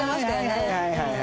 はいはいはいはい。